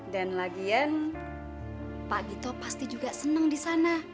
dan lagian pak gito pasti juga senang di sana